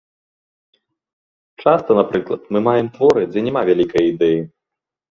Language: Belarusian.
Часта, напрыклад, мы маем творы, дзе няма вялікае ідэі.